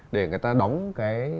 để người ta đóng cái